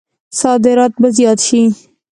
صادرات به زیات شي؟